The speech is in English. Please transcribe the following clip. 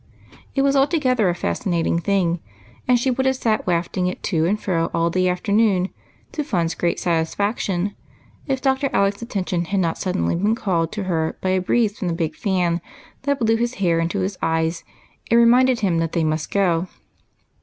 It was altogether a fascinating thing, and she would have sat wafting it to and fro all the afternoon, to Fun's great satisfaction, if Dr. Alec's attention had not suddenly been called to her by a breeze from the big fan that blew his hair into his eyes, and reminded him that they must go.